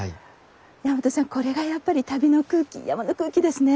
山本さんこれがやっぱり旅の空気山の空気ですね。